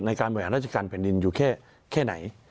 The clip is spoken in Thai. บริหารราชการแผ่นดินอยู่แค่ไหน